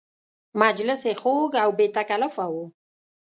مجلس یې خوږ او بې تکلفه و.